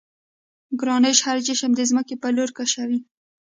ګرانش هر جسم د ځمکې پر لور کشوي.